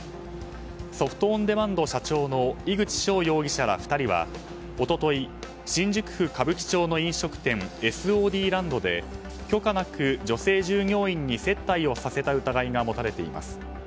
ソフト・オン・デマンド社長の井口翔容疑者ら２人は一昨日、新宿区歌舞伎町の飲食店ＳＯＤＬＡＮＤで許可なく女性従業員に接待をさせた疑いが持たれています。